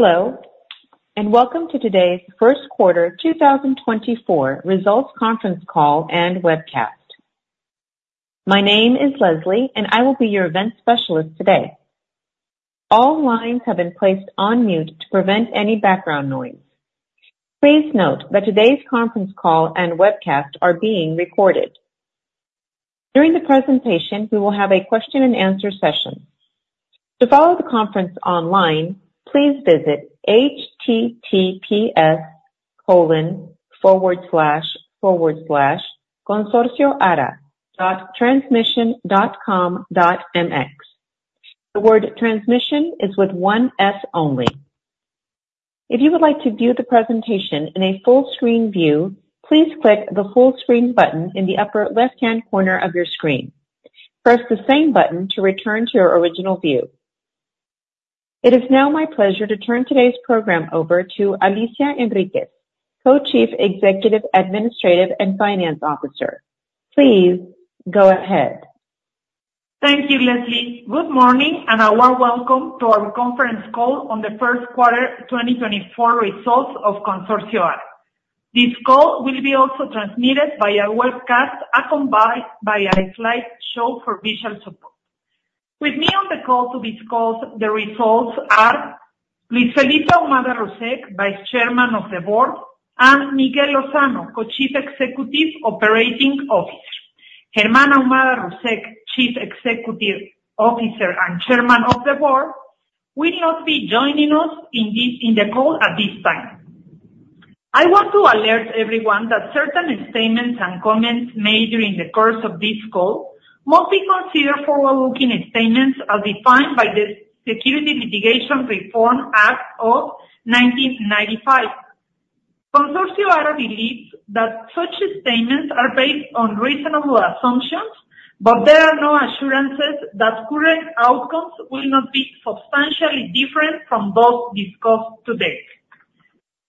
Hello, and welcome to today's Q1 2024 Results Conference Call and Webcast. My name is Leslie, and I will be your event specialist today. All lines have been placed on mute to prevent any background noise. Please note that today's conference call and webcast are being recorded. During the presentation, we will have a question-and-answer session. To follow the conference online, please visit https://consorcioara.transmision.com.mx. The word "transmision" is with one S only. If you would like to view the presentation in a full-screen view, please click the full-screen button in the upper left-hand corner of your screen. Press the same button to return to your original view. It is now my pleasure to turn today's program over to Alicia Enriquez, Co-Chief Executive Administrative and Finance Officer. Please go ahead. Thank you, Leslie. Good morning and a warm welcome to our conference call on the first quarter 2024 results of Consorcio ARA SAB. This call will be also transmitted via webcast accompanied by a slideshow for visual support. With me on the call to discuss the results are Luis Felipe Ahumada Russek, Vice Chairman of the Board, and Miguel Lozano, Co-Chief Executive Operating Officer. Germán Ahumada Russek, Chief Executive Officer and Chairman of the Board, will not be joining us in the call at this time. I want to alert everyone that certain statements and comments made during the course of this call must be considered forward-looking statements as defined by the Securities Litigation Reform Act of 1995. Consorcio ARA believes that such statements are based on reasonable assumptions, but there are no assurances that current outcomes will not be substantially different from those discussed today.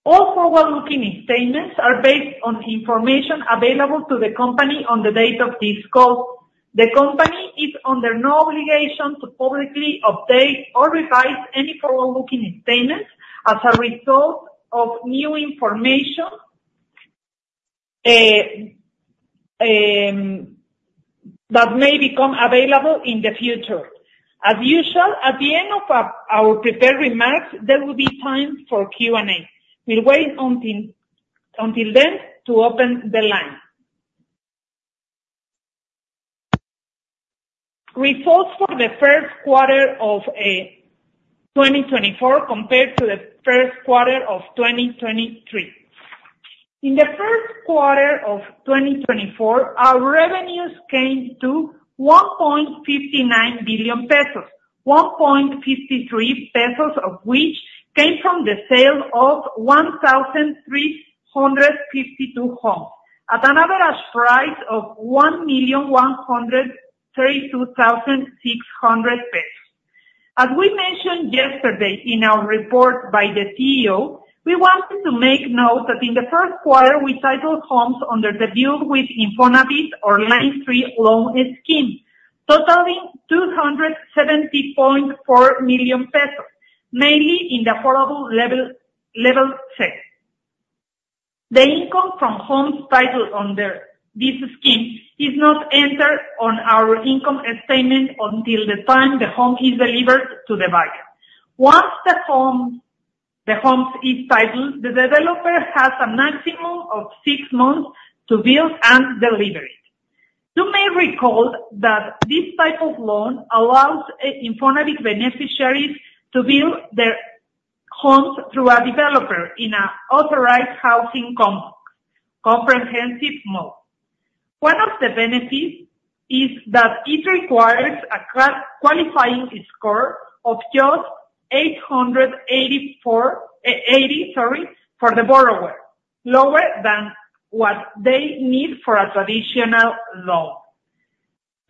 All forward-looking statements are based on information available to the company on the date of this call. The company is under no obligation to publicly update or revise any forward-looking statements as a result of new information that may become available in the future. As usual, at the end of our prepared remarks, there will be time for Q&A. We'll wait until then to open the line. Results for the first quarter of 2024 compared to the first quarter of 2023. In the first quarter of 2024, our revenues came to 1.59 billion pesos, 1.53 pesos of which came from the sale of 1,352 homes at an average price of 1,132,600 pesos. As we mentioned yesterday in our report by the CEO, we wanted to make note that in the first quarter, we titled homes under the Build with Infonavit or Line 3 Loan Scheme, totaling 270.4 million pesos, mainly in the affordable level check. The income from homes titled under this scheme is not entered on our income statement until the time the home is delivered to the buyer. Once the home is titled, the developer has a maximum of six months to build and deliver it. You may recall that this type of loan allows Infonavit beneficiaries to build their homes through a developer in an authorized housing complex, comprehensive mode. One of the benefits is that it requires a qualifying score of just 884, sorry, for the borrower, lower than what they need for a traditional loan.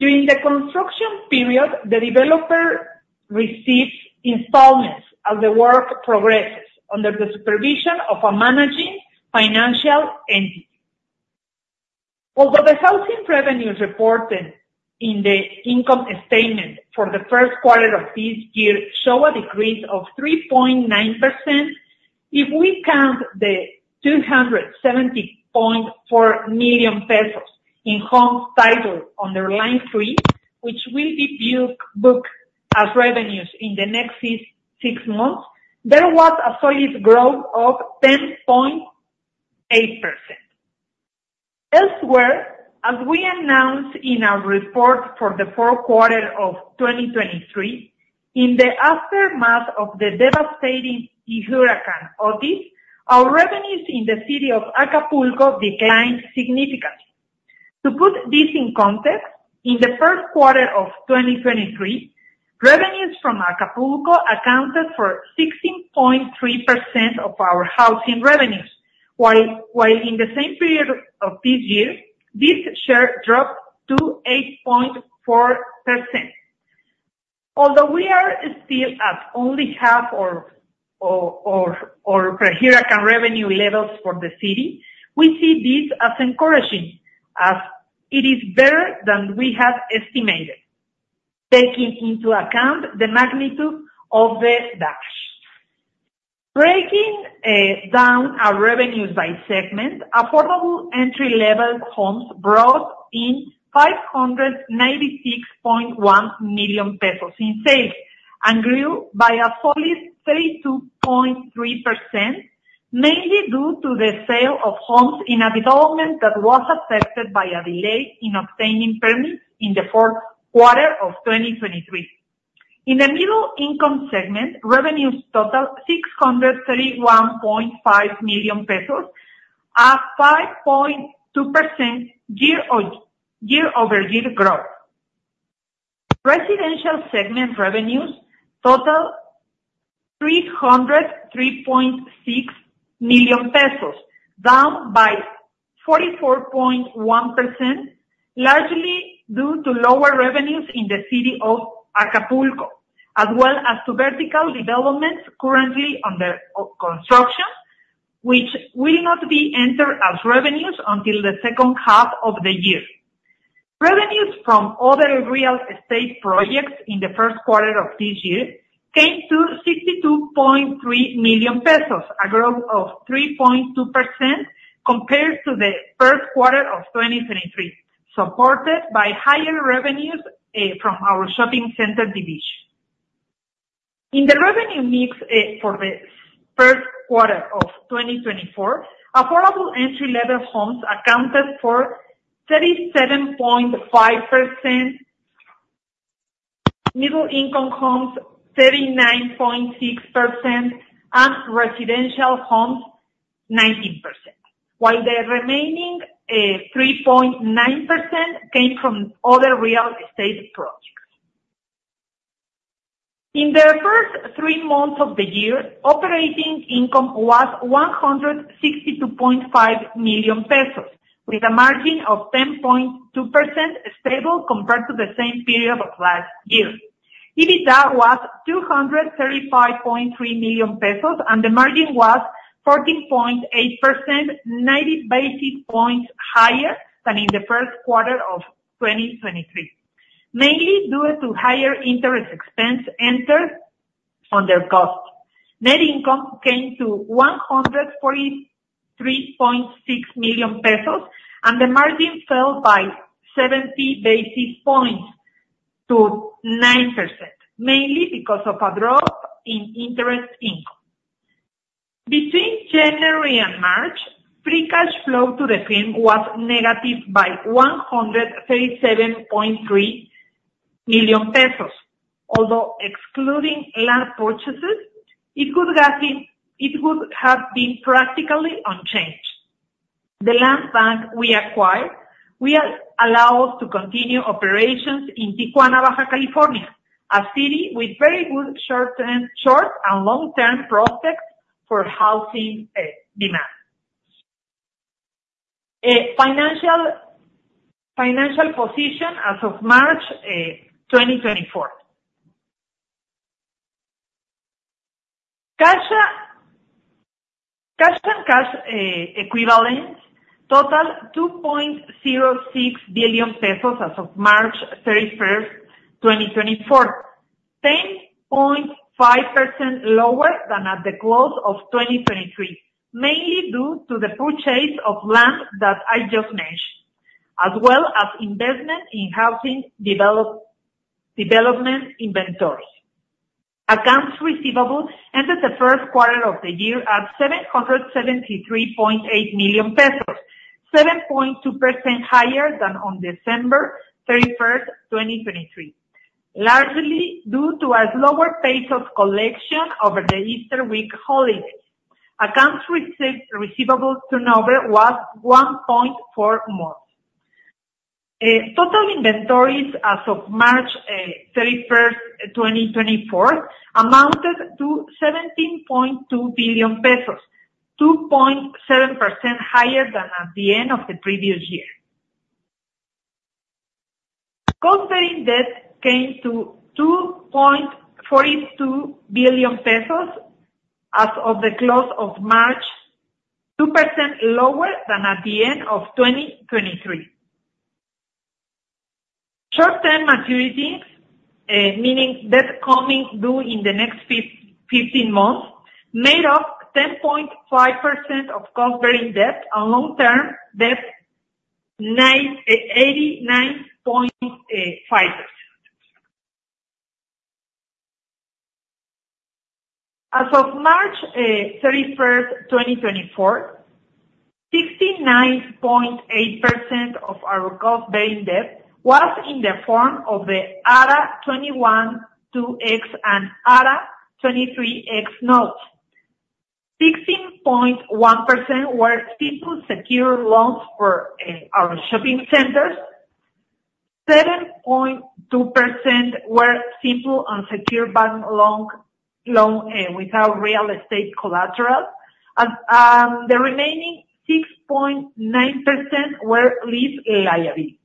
During the construction period, the developer receives installments as the work progresses under the supervision of a managing financial entity. Although the housing revenues reported in the income statement for the first quarter of this year show a decrease of 3.9%, if we count the 270.4 million pesos in homes titled under Line 3, which will be booked as revenues in the next six months, there was a solid growth of 10.8%. Elsewhere, as we announced in our report for the fourth quarter of 2023, in the aftermath of the devastating Hurricane Otis, our revenues in the city of Acapulco declined significantly. To put this in context, in the first quarter of 2023, revenues from Acapulco accounted for 16.3% of our housing revenues, while in the same period of this year, this share dropped to 8.4%. Although we are still at only half of pre-Huracán revenue levels for the city, we see this as encouraging, as it is better than we had estimated, taking into account the magnitude of the disaster. Breaking down our revenues by segment, affordable entry-level homes brought in 596.1 million pesos in sales and grew by a solid 32.3%, mainly due to the sale of homes in a development that was affected by a delay in obtaining permits in the fourth quarter of 2023. In the middle income segment, revenues total 631.5 million pesos, a 5.2% year-over-year growth. Residential segment revenues total MXN 303.6 million, down by 44.1%, largely due to lower revenues in the city of Acapulco, as well as to vertical developments currently under construction, which will not be entered as revenues until the second half of the year. Revenues from other real estate projects in the first quarter of this year came to 62.3 million pesos, a growth of 3.2% compared to the first quarter of 2023, supported by higher revenues from our shopping center division. In the revenue mix for the first quarter of 2024, affordable entry-level homes accounted for 37.5%, middle income homes 39.6%, and residential homes 19%, while the remaining 3.9% came from other real estate projects. In the first three months of the year, operating income was 162.5 million pesos, with a margin of 10.2% stable compared to the same period of last year. EBITDA was 235.3 million pesos, and the margin was 14.8%, 90 basis points higher than in the first quarter of 2023, mainly due to higher interest expense entered under cost. Net income came to 143.6 million pesos, and the margin fell by 70 basis points to 9%, mainly because of a drop in interest income. Between January and March, free cash flow to the firm was negative by 137.3 million pesos. Although excluding land purchases, it would have been practically unchanged. The land bank we acquired will allow us to continue operations in Tijuana, Baja California, a city with very good short-term and long-term prospects for housing demand. Financial position as of March 2024. Cash and cash equivalents total 2.06 billion pesos as of March 31st, 2024, 10.5% lower than at the close of 2023, mainly due to the purchase of land that I just mentioned, as well as investment in housing development inventories. Accounts receivable entered the first quarter of the year at 773.8 million pesos, 7.2% higher than on December 31st, 2023, largely due to a slower pace of collection over the Easter week holidays. Accounts receivable turnover was 1.4 more. Total inventories as of March 31st, 2024, amounted to 17.2 billion pesos, 2.7% higher than at the end of the previous year. Cost-bearing debt came to 2.42 billion pesos as of the close of March, 2% lower than at the end of 2023. Short-term maturities, meaning debt coming due in the next 15 months, made up 10.5% of cost-bearing debt, and long-term debt 89.5%. As of March 31st, 2024, 69.8% of our cost-bearing debt was in the form of the ARA 21-2X and ARA 23X notes. 16.1% were simple secure loans for our shopping centers. 7.2% were simple unsecured bank loans without real estate collateral. The remaining 6.9% were lease liabilities.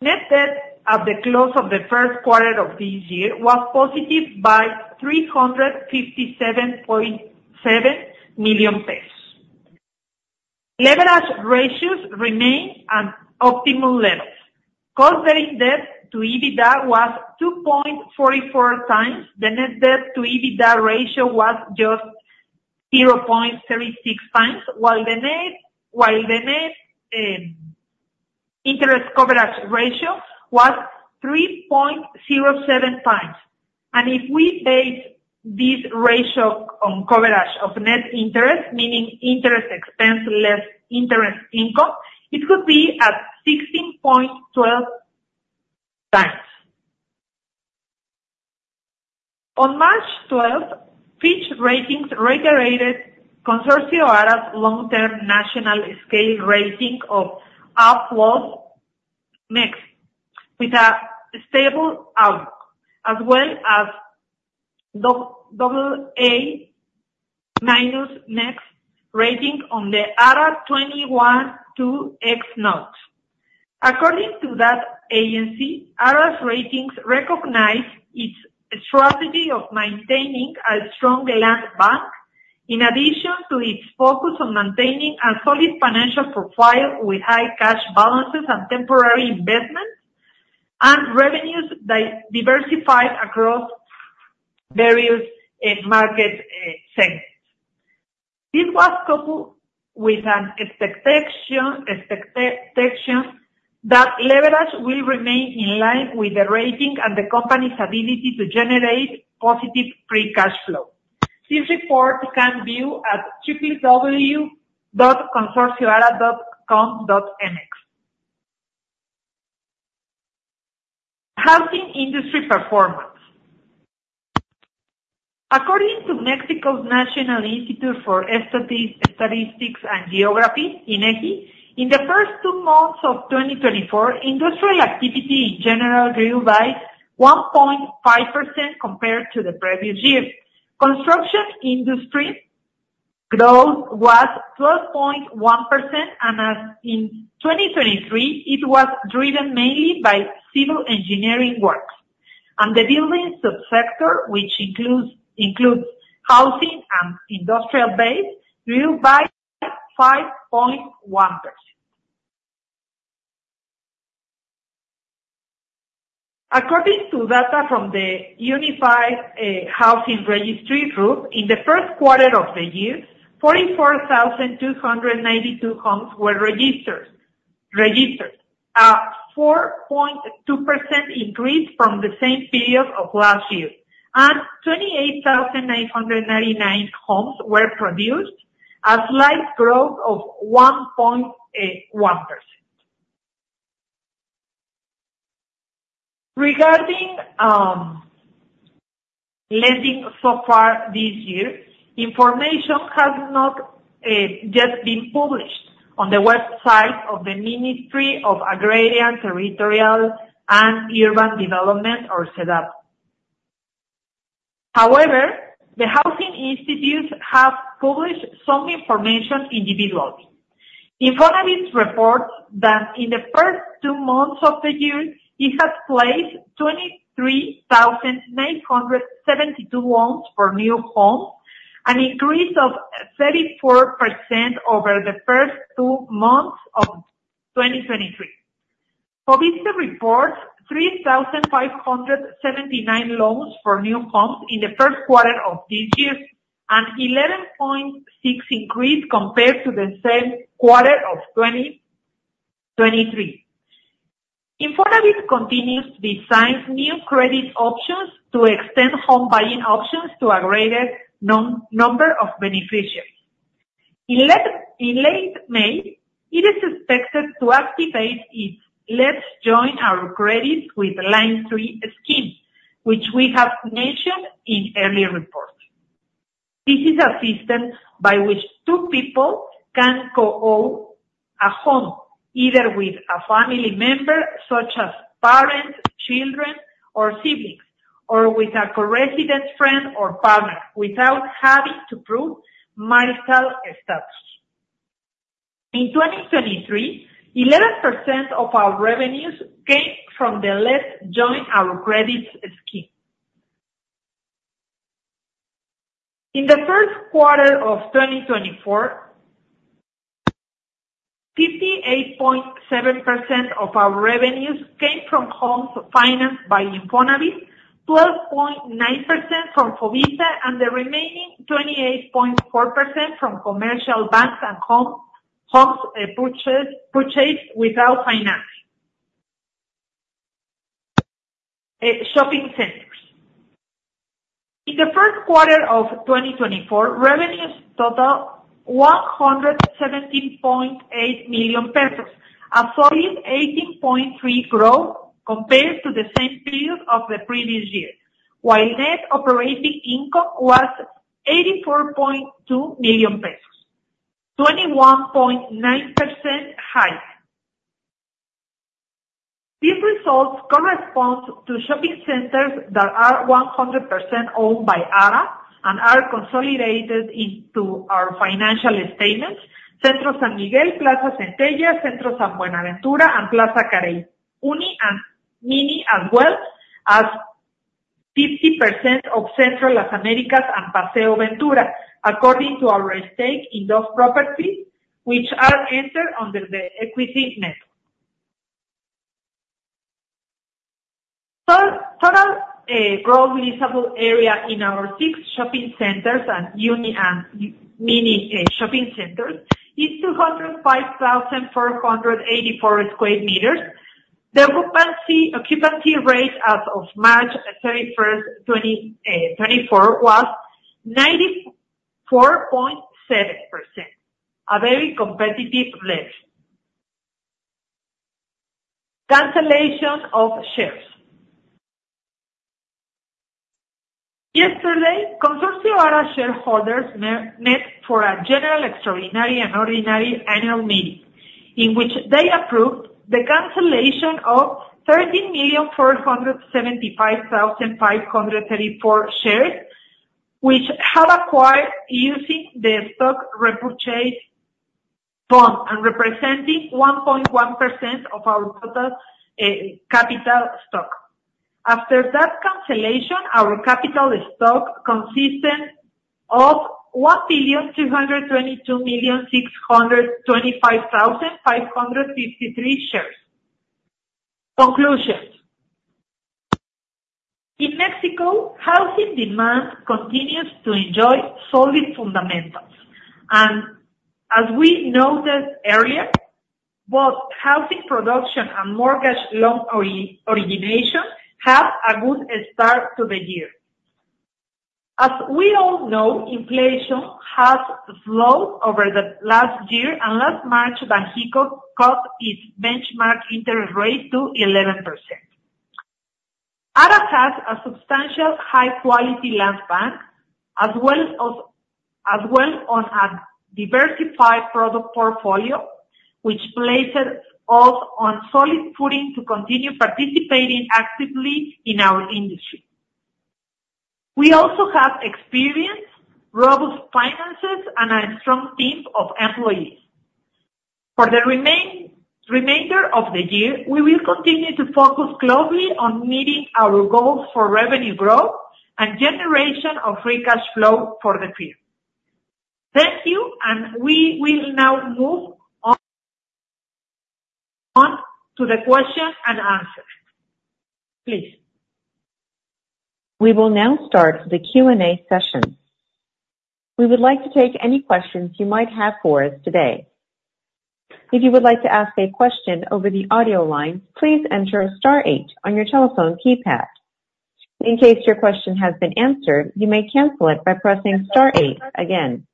Net debt at the close of the first quarter of this year was positive by 357.7 million pesos. Leverage ratios remain at optimal levels. Cost bearing debt to EBITDA was 2.44x. The net debt to EBITDA ratio was just 0.36x, while the net interest coverage ratio was 3.07x. And if we base this ratio on coverage of net interest, meaning interest expense less interest income, it could be at 16.12x. On March 12th, Fitch Ratings reiterated Consorcio ARA's long-term national-scale rating of AA+ with a stable outlook, as well as AA- rating on the ARA 21-2X notes. According to that agency, Ara's ratings recognize its strategy of maintaining a strong land bank in addition to its focus on maintaining a solid financial profile with high cash balances and temporary investments, and revenues diversified across various market segments. This was coupled with an expectation that leverage will remain in line with the rating and the company's ability to generate positive free cash flow. This report can be viewed at www.consorciora.com.mx. Housing industry performance. According to Mexico's National Institute for Statistics and Geography, INEGI, in the first two months of 2024, industrial activity in general grew by 1.5% compared to the previous year. Construction industry growth was 12.1%, and in 2023, it was driven mainly by civil engineering works. The building subsector, which includes housing and industrial-based, grew by 5.1%. According to data from the Unified Housing Registry, in the first quarter of the year, 44,292 homes were registered, a 4.2% increase from the same period of last year, and 28,999 homes were produced, a slight growth of 1.1%. Regarding lending so far this year, information has not just been published on the website of the Ministry of Agrarian, Territorial and Urban Development, or SEDATU. However, the housing institutes have published some information individually. Infonavit reports that in the first two months of the year, it had placed 23,972 loans for new homes, an increase of 34% over the first two months of 2023. FOVISSSTE reports 3,579 loans for new homes in the first quarter of this year, an 11.6% increase compared to the same quarter of 2023. Infonavit continues to design new credit options to extend home buying options to a greater number of beneficiaries. In late May, it is expected to activate its Let's Join Our Credits with Line 3 scheme, which we have mentioned in early reports. This is a system by which two people can co-own a home, either with a family member such as parents, children, or siblings, or with a co-resident friend or partner without having to prove marital status. In 2023, 11% of our revenues came from the Let's Join Our Credits scheme. In the first quarter of 2024, 58.7% of our revenues came from homes financed by Infonavit, 12.9% from FOVISSSTE, and the remaining 28.4% from commercial banks and homes purchased without financing shopping centers. In the first quarter of 2024, revenues totaled 117.8 million pesos, a solid 18.3% growth compared to the same period of the previous year, while net operating income was MXN 84.2 million, 21.9% higher. These results correspond to shopping centers that are 100% owned by ARA and are consolidated into our financial statements: Centro San Miguel, Plaza Centella, Centro San Buenaventura, and Plaza Carey, Uni and Mini as well, as 50% of Centro Las Américas and Paseo Ventura, according to our stake in those properties, which are entered under the equity method. Total Gross Leasable Area in our six shopping centers and Uni and Mini shopping centers is 205,484 square meters. The occupancy rate as of March 31st, 2024, was 94.7%, a very competitive level. Cancellation of shares. Yesterday, Consorcio ARA shareholders met for a General Extraordinary and Ordinary Annual Meeting, in which they approved the cancellation of 13,475,534 shares, which had acquired using the stock repurchase bond and representing 1.1% of our total capital stock. After that cancellation, our capital stock consisted of 1,222,625,553 shares. Conclusions. In Mexico, housing demand continues to enjoy solid fundamentals. As we noted earlier, both housing production and mortgage loan origination have a good start to the year. As we all know, inflation has slowed over the last year, and last March, Banxico cut its benchmark interest rate to 11%. Ara has a substantial high-quality land bank, as well as a diversified product portfolio, which places us on solid footing to continue participating actively in our industry. We also have experienced, robust finances, and a strong team of employees. For the remainder of the year, we will continue to focus closely on meeting our goals for revenue growth and generation of free cash flow for the firm. Thank you, and we will now move on to the question and answer. Please. We will now start the Q&A session. We would like to take any questions you might have for us today. If you would like to ask a question over the audio line, please enter star eight on your telephone keypad. In case your question has been answered, you may cancel it by pressing star eight again.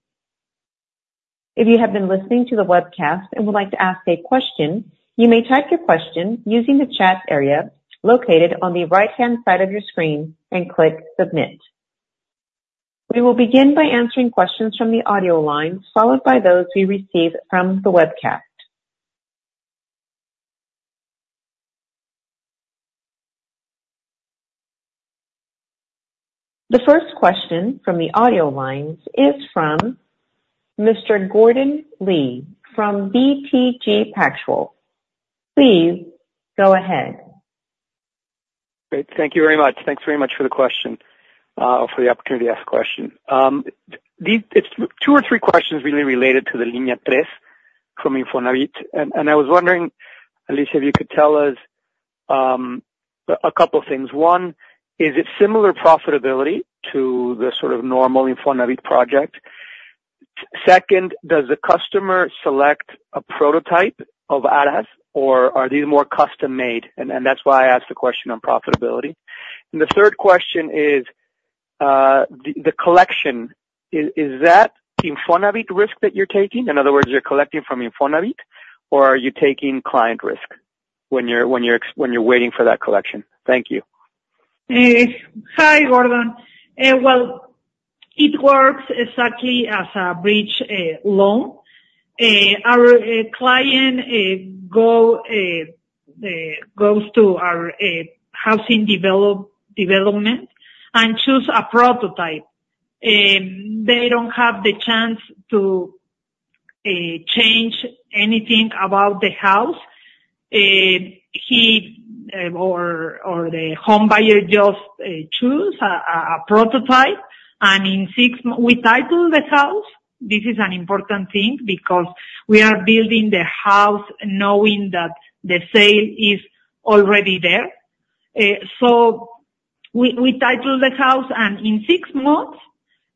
If you have been listening to the webcast and would like to ask a question, you may type your question using the chat area located on the right-hand side of your screen and click Submit. We will begin by answering questions from the audio lines, followed by those we receive from the webcast. The first question from the audio lines is from Mr. Gordon Lee from BTG Pactual. Please go ahead. Great. Thank you very much. Thanks very much for the question or for the opportunity to ask a question. It's two or three questions really related to the Línea 3 from Infonavit. And I was wondering, Alicia, if you could tell us a couple of things. One, is it similar profitability to the sort of normal Infonavit project? Second, does the customer select a prototype of Ara, or are these more custom-made? And that's why I asked the question on profitability. And the third question is the collection. Is that Infonavit risk that you're taking? In other words, you're collecting from Infonavit, or are you taking client risk when you're waiting for that collection? Thank you. Hi, Gordon. Well, it works exactly as a bridge loan. Our client goes to our housing development and chooses a prototype. They don't have the chance to change anything about the house. He or the home buyer just chooses a prototype, and in six we title the house. This is an important thing because we are building the house knowing that the sale is already there. So we title the house, and in six months,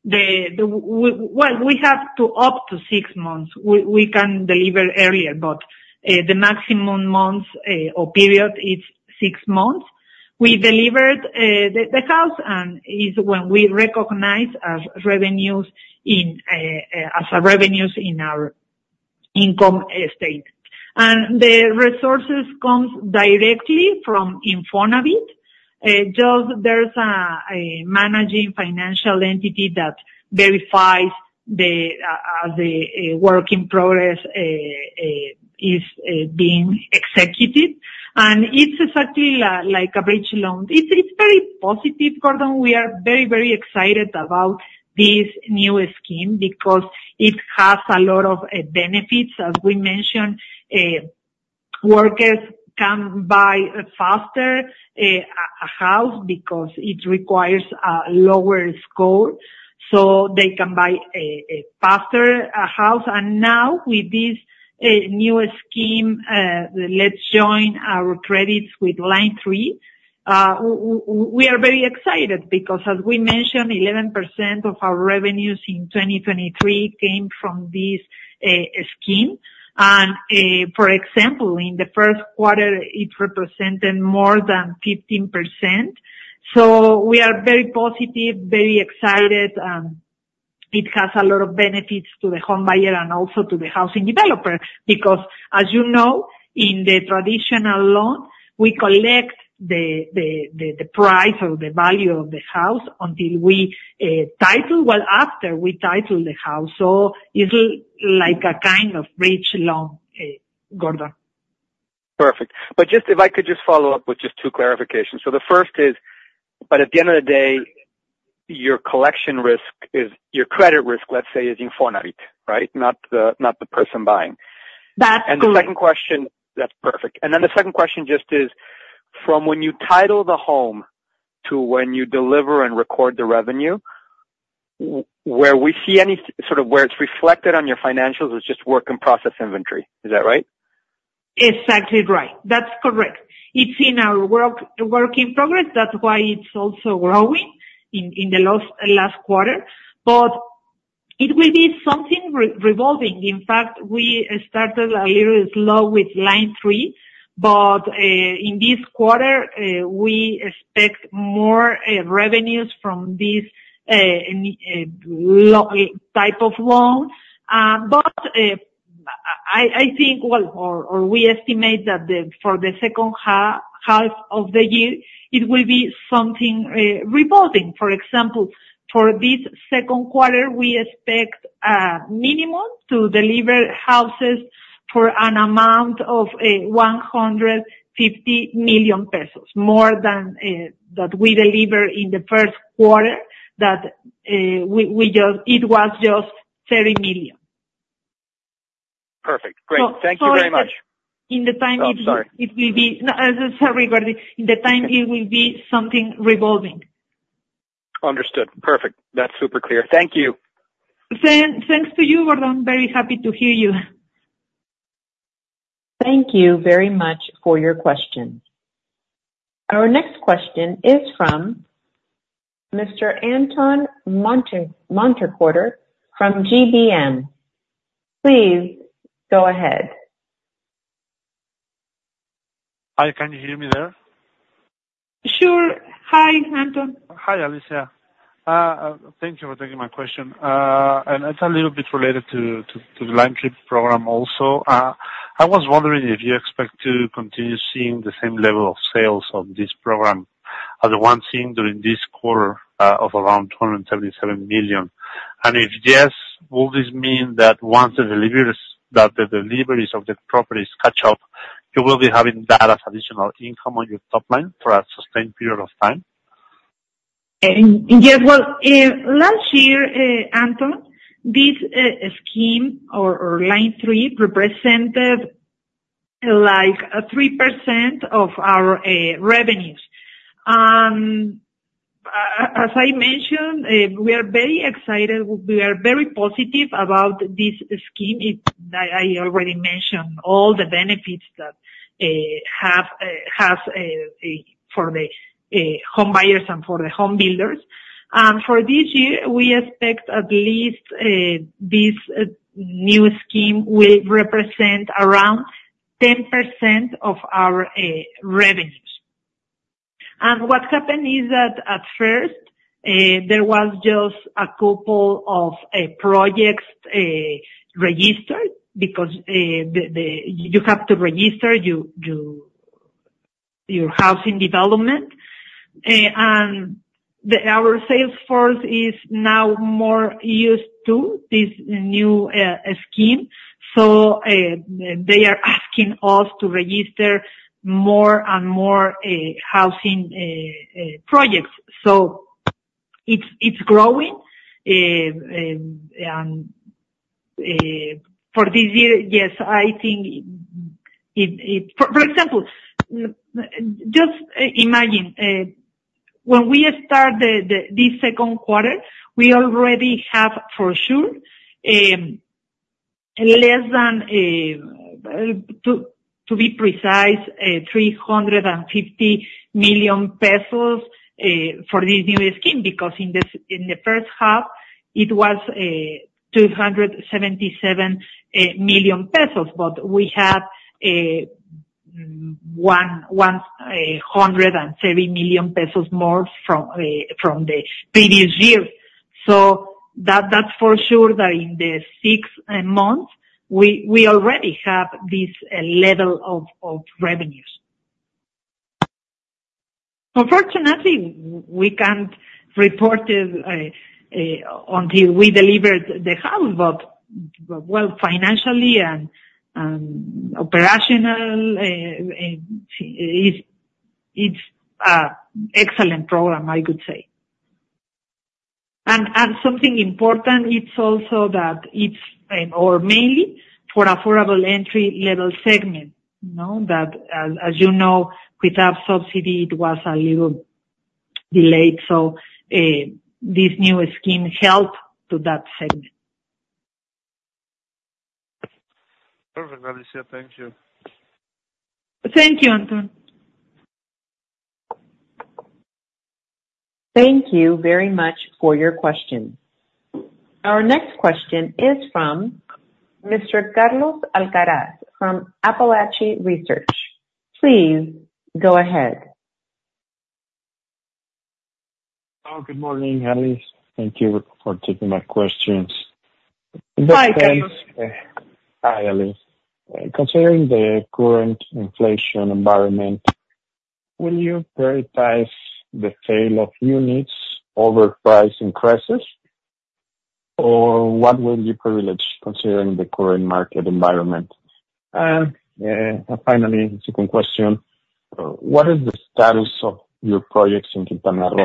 well, we have to up to six months. We can deliver earlier, but the maximum months or period is six months. We delivered the house, and it's when we recognize as revenues in as a revenues in our income statement. And the resources come directly from Infonavit. There's a managing financial entity that verifies as the work in progress is being executed. And it's exactly like a bridge loan. It's very positive, Gordon. We are very, very excited about this new scheme because it has a lot of benefits. As we mentioned, workers can buy faster a house because it requires a lower score, so they can buy faster a house. And now, with this new scheme, the Let's Join Our Credits with Line 3, we are very excited because, as we mentioned, 11% of our revenues in 2023 came from this scheme. And for example, in the first quarter, it represented more than 15%. So we are very positive, very excited, and it has a lot of benefits to the home buyer and also to the housing developer because, as you know, in the traditional loan, we collect the price or the value of the house until we title well, after we title the house. So it's like a kind of bridge loan, Gordon. Perfect. But if I could just follow up with just two clarifications. So the first is, but at the end of the day, your collection risk is your credit risk, let's say, is Infonavit, right, not the person buying. And the second question that's perfect. Then the second question just is, from when you title the home to when you deliver and record the revenue, where we see any sort of where it's reflected on your financials is just work in process inventory. Is that right? Exactly right. That's correct. It's in our work in progress. That's why it's also growing in the last quarter. But it will be something revolving. In fact, we started a little slow with Line 3, but in this quarter, we expect more revenues from this type of loan. But I think, well, or we estimate that for the second half of the year, it will be something revolving. For example, for this second quarter, we expect minimum to deliver houses for an amount of 150 million pesos, more than that we deliver in the first quarter that we just it was just 30 million. Perfect. Great. Thank you very much. In the time, it will be something revolving. Understood. Perfect. That's super clear. Thank you. Same thanks to you, Gordon. Very happy to hear you. Thank you very much for your question. Our next question is from Mr. Antón Montecordero from GBM. Please go ahead. Hi. Can you hear me there? Sure. Hi, Anton. Hi, Alicia. Thank you for taking my question. And it's a little bit related to the Line 3 program also. I was wondering if you expect to continue seeing the same level of sales of this program as the one seen during this quarter of around 277 million. And if yes, will this mean that once the deliveries of the properties catch up, you will be having that as additional income on your top line for a sustained period of time? Yes. Well, last year, Antón, this scheme or Line 3 represented like 3% of our revenues. As I mentioned, we are very excited. We are very positive about this scheme. I already mentioned all the benefits that it has for the home buyers and for the home builders. And for this year, we expect at least this new scheme will represent around 10% of our revenues. And what happened is that at first, there was just a couple of projects registered because you have to register your housing development. And our salesforce is now more used to this new scheme, so they are asking us to register more and more housing projects. So it's growing. For this year, yes, I think, for example, just imagine, when we start this second quarter, we already have, for sure, let me, to be precise, 350 million pesos for this new scheme because in the first half, it was 277 million pesos, but we have 103 million pesos more from the previous year. So that's for sure that in the six months, we already have this level of revenues. Unfortunately, we can't report it until we deliver the house, but well, financially and operationally, it's an excellent program, I could say. And something important, it's also that it's or mainly for affordable entry-level segment. As you know, without subsidy, it was a little delayed, so this new scheme helped to that segment. Perfect, Alicia. Thank you. Thank you, Anton. Thank you very much for your question. Our next question is from Mr. Carlos Alcaraz from Apalache Research. Please go ahead. Good morning, Alicia. Thank you for taking my questions. Hi, Carlos. Hi, Alicia. Considering the current inflation environment, will you prioritize the sale of units over price increases, or what will you privilege considering the current market environment? And finally, second question, what is the status of your projects in Quintana Roo?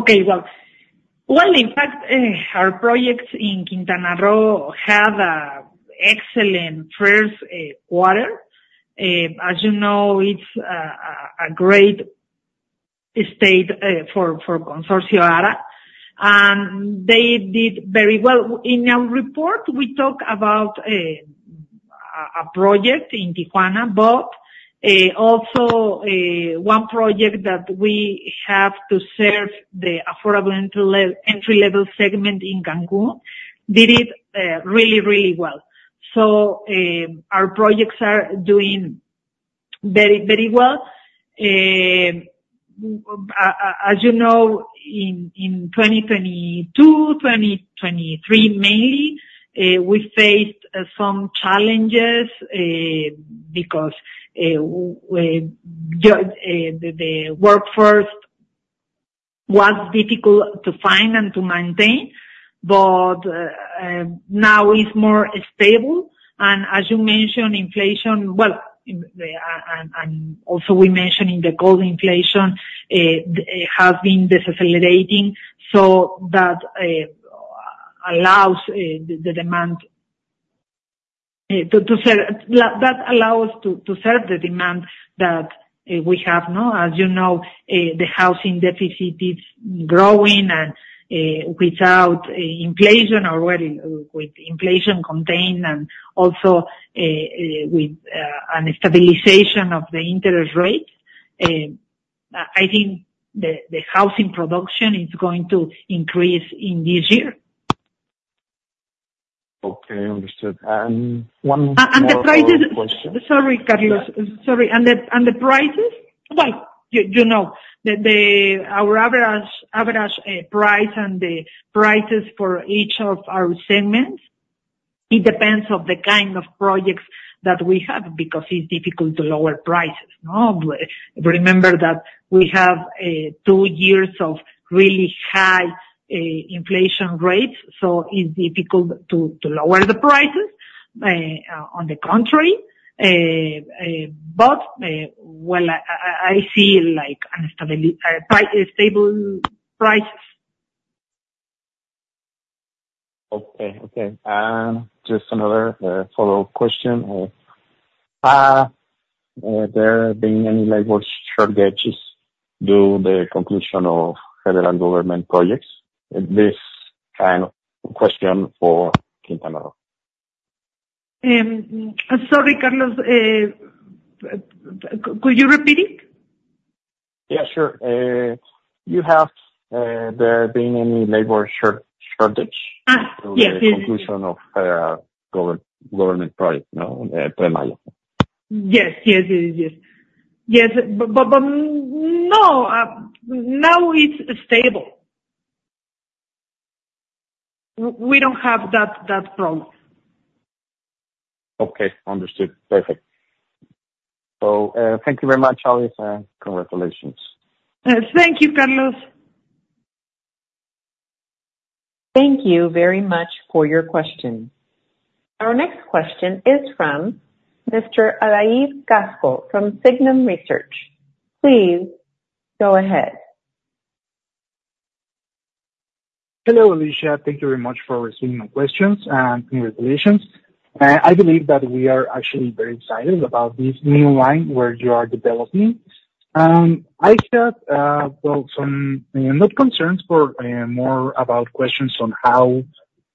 Okay. Well, well, in fact, our projects in Quintana Roo had an excellent first quarter. As you know, it's a great state for Consorcio ARA, and they did very well. In our report, we talk about a project in Tijuana, but also one project that we have to serve the affordable entry-level segment in Cancún did it really, really well. So our projects are doing very, very well. As you know, in 2022, 2023 mainly, we faced some challenges because the workforce was difficult to find and to maintain, but now it's more stable. As you mentioned, inflation—well, and also we mentioned in the call, inflation has been decelerating, so that allows the demand to serve that allows us to serve the demand that we have. As you know, the housing deficit is growing, and without inflation already with inflation contained and also with a stabilization of the interest rate, I think the housing production is going to increase in this year. Okay. Understood. One more question. The prices—sorry, Carlos. Sorry. And the prices, well, you know, our average price and the prices for each of our segments, it depends on the kind of projects that we have because it's difficult to lower prices. Remember that we have two years of really high inflation rates, so it's difficult to lower the prices. On the contrary, but well, I see stable prices. Okay. Okay. Just another follow-up question. Have there been any labor shortages due to the conclusion of federal government projects? This kind of question for Quintana Roo. Sorry, Carlos. Could you repeat it? Yeah. Sure. You have there been any labor shortage through the conclusion of federal government project, Riviera Maya? Yes. Yes. Yes. Yes. Yes. But no. Now it's stable. We don't have that problem. Okay. Understood. Perfect. So thank you very much, Alicia, and congratulations. Thank you, Carlos. Thank you very much for your question. Our next question is from Mr. Adair Casco from Signum Research. Please go ahead. Hello, Alicia. Thank you very much for receiving my questions and congratulations. I believe that we are actually very excited about this new line where you are developing. I have, well, some not concerns, more about questions on how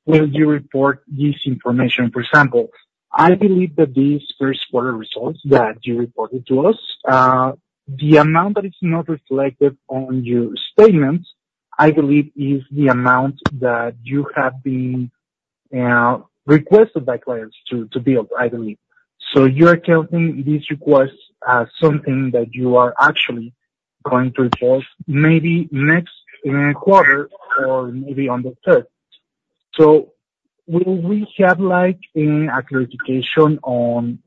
will you report this information. For example, I believe that this first quarter results that you reported to us, the amount that is not reflected on your statements, I believe, is the amount that you have been requested by clients to build, I believe. So you are counting this request as something that you are actually going to report maybe next quarter or maybe on the 3rd. So will we have a clarification on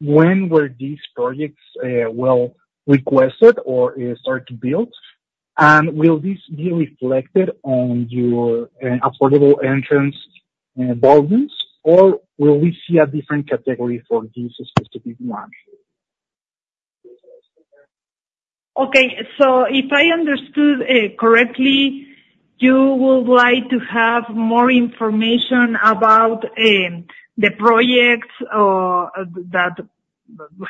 when were these projects were requested or started to build? And will this be reflected on your affordable entry-level volumes, or will we see a different category for this specific one? Okay. So if I understood correctly, you would like to have more information about the projects that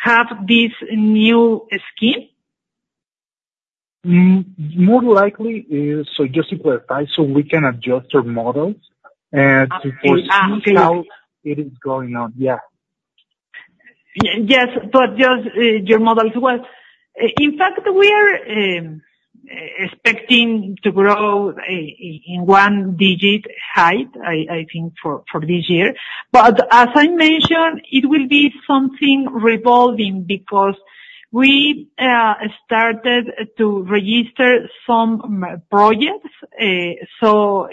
have this new scheme? More likely. So just to clarify, so we can adjust our models to foresee how it is going on. Yeah. Yes. But just your models as well. In fact, we are expecting to grow in one-digit height, I think, for this year. But as I mentioned, it will be something revolving because we started to register some projects. So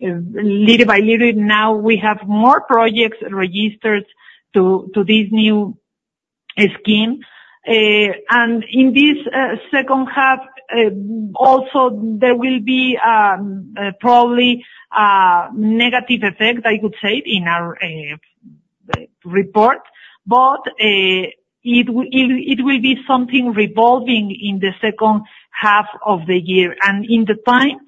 little by little, now we have more projects registered to this new scheme. And in this second half, also, there will be probably a negative effect, I could say, in our report, but it will be something revolving in the second half of the year. And in the time,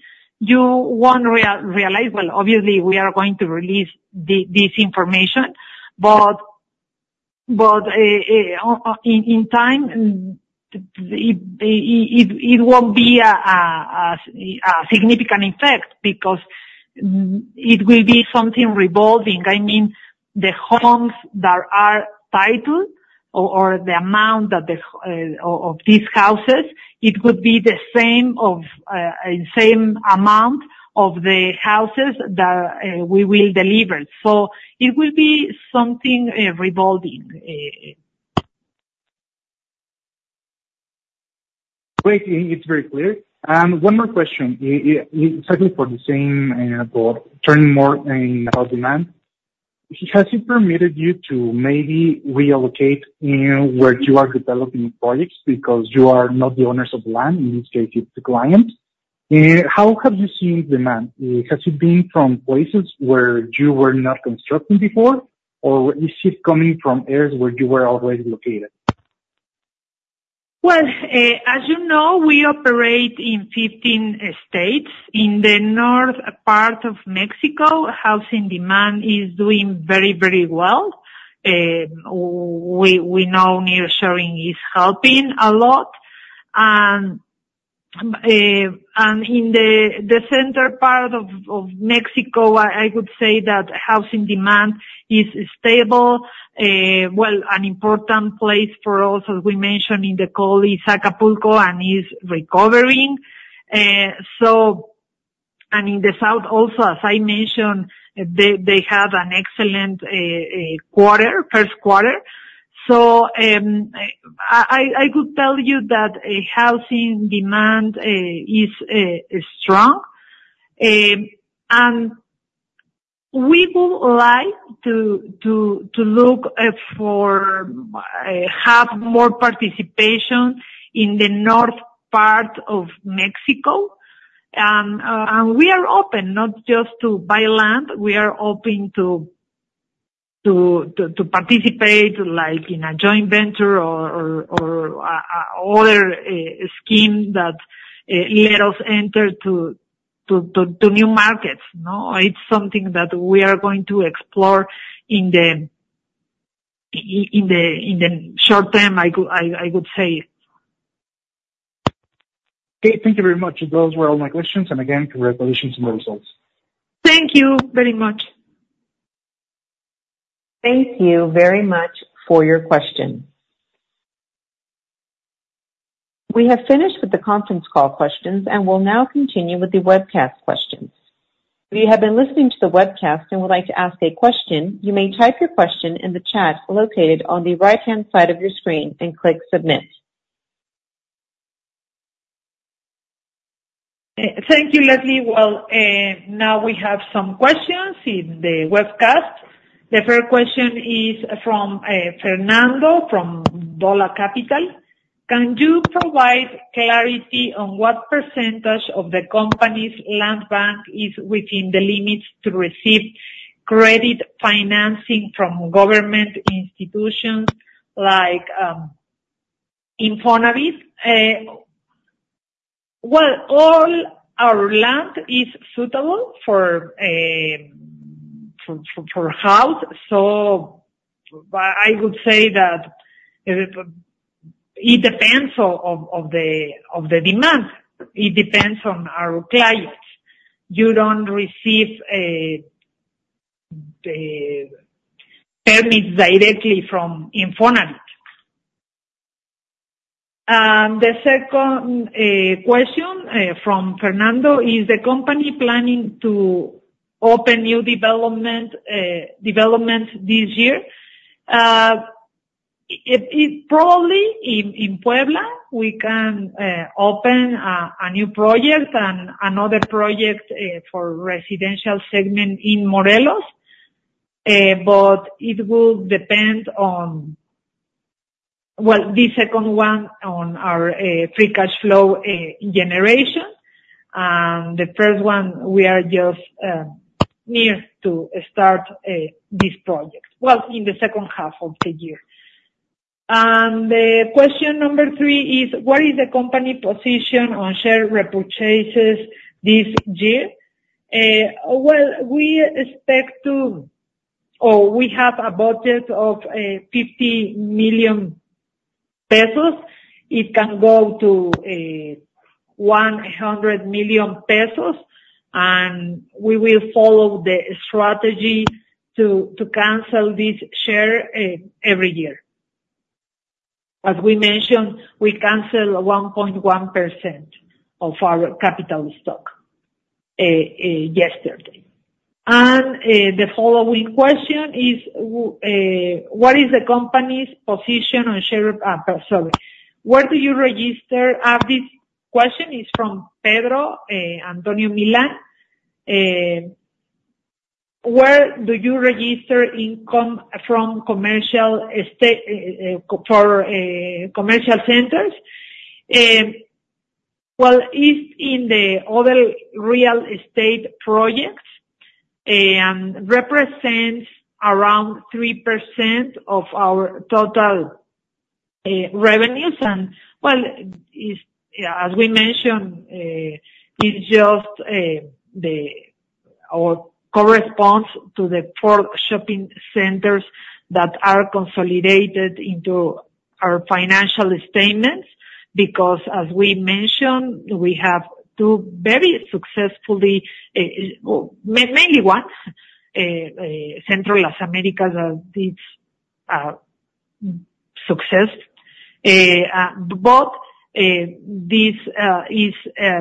you won't realize well, obviously, we are going to release this information, but in time, it won't be a significant effect because it will be something revolving. I mean, the homes that are titled or the amount of these houses, it would be the same amount of the houses that we will deliver. So it will be something revolving. Great. It's very clear. One more question, exactly for the same but turning more in about demand. Has it permitted you to maybe reallocate where you are developing projects because you are not the owners of the land? In this case, it's the client. How have you seen demand? Has it been from places where you were not constructing before, or is it coming from areas where you were already located? Well, as you know, we operate in 15 states. In the north part of Mexico, housing demand is doing very, very well. We know nearshoring is helping a lot. And in the center part of Mexico, I would say that housing demand is stable. Well, an important place for us, as we mentioned in the call, is Acapulco, and is recovering. And in the south also, as I mentioned, they have an excellent first quarter. I could tell you that housing demand is strong. We would like to look for more participation in the north part of Mexico. We are open, not just to buy land. We are open to participate in a joint venture or other scheme that let us enter to new markets. It's something that we are going to explore in the short term, I could say. Okay. Thank you very much. Those were all my questions. Again, congratulations on the results. Thank you very much. Thank you very much for your questions. We have finished with the conference call questions and will now continue with the webcast questions. If you have been listening to the webcast and would like to ask a question, you may type your question in the chat located on the right-hand side of your screen and click Submit. Thank you, Leslie. Well, now we have some questions in the webcast. The first question is from Fernando from BofA Capital. Can you provide clarity on what percentage of the company's land bank is within the limits to receive credit financing from government institutions like Infonavit? Well, all our land is suitable for a house, so I would say that it depends on the demand. It depends on our clients. You don't receive permits directly from Infonavit. The second question from Fernando is, is the company planning to open new developments this year? Probably in Puebla, we can open a new project and another project for residential segment in Morelos, but it will depend on, well, this second one on our free cash flow generation. The first one, we are just near to start this project, well, in the second half of the year. The question number three is, what is the company position on share repurchases this year? Well, we expect to oh, we have a budget of 50 million pesos. It can go to 100 million pesos, and we will follow the strategy to cancel this share every year. As we mentioned, we canceled 1.1% of our capital stock yesterday. The following question is, what is the company's position on share sorry. Where do you register? This question is from Pedro Antonio Milán. Where do you register income from commercial centers? Well, it's in the other real estate projects and represents around 3% of our total revenues. Well, as we mentioned, it just corresponds to the four shopping centers that are consolidated into our financial statements because, as we mentioned, we have two very successfully mainly one, Centro Las Américas, that did success. But this is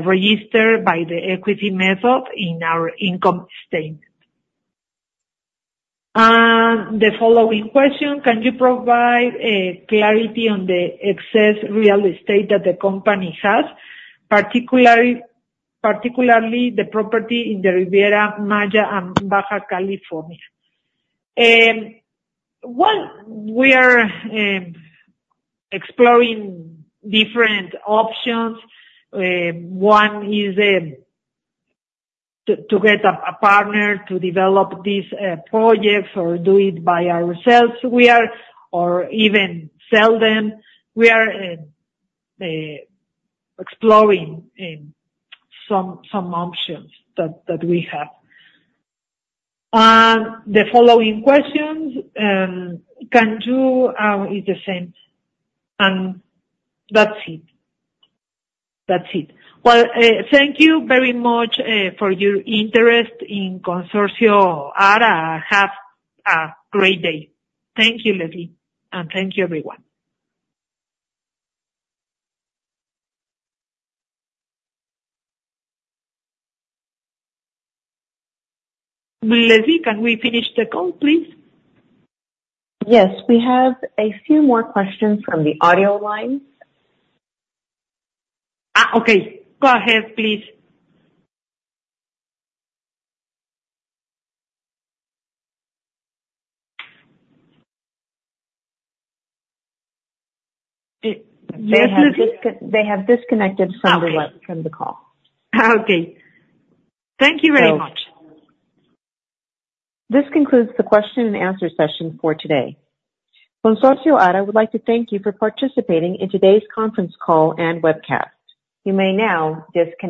registered by the equity method in our income statement. The following question, can you provide clarity on the excess real estate that the company has, particularly the property in the Riviera Maya and Baja California? Well, we are exploring different options. One is to get a partner to develop these projects or do it by ourselves or even sell them. We are exploring some options that we have. The following question, can you—it's the same. And that's it. That's it. Well, thank you very much for your interest in Consorcio ARA, S.A.B. de C.V. Have a great day. Thank you, Leslie. And thank you, everyone. Leslie, can we finish the call, please? Yes. We have a few more questions from the audio line. Okay. Go ahead, please. They have disconnected from the call. Okay. Thank you very much. This concludes the question and answer session for today. Consorcio ARA would like to thank you for participating in today's conference call and webcast. You may now disconnect.